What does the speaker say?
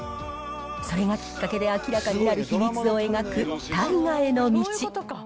それがきっかけで明らかになる秘密を描く、大河への道。